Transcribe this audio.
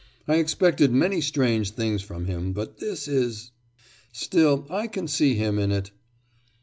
'I expected many strange things from him, but this is Still I can see him in it.